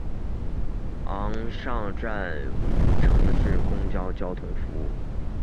昂尚站暂无城市公共交通服务。